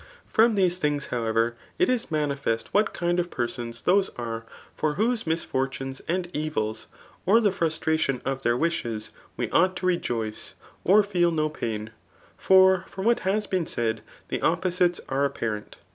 F^om these things, however, it is mani fest what kinid 6f ^ersdns thdsearefor whose misfortunes and evils, or thftfrUfitratibn of their wishes, we ought to rejoice, or fe^I mj "pain; for from what has been said the opposires are apparent.